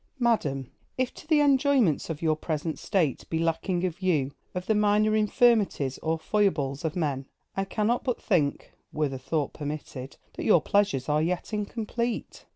Madame, If to the enjoyments of your present state be lacking a view of the minor infirmities or foibles of men, I cannot but think (were the thought permitted) that your pleasures are yet incomplete.